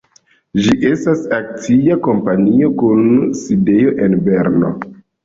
Ĝi estas akcia kompanio kun sidejo en Berno.